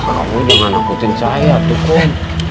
kamu jangan nangkutin saya tuh kum